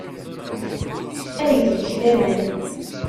Ad neg deg-k laman.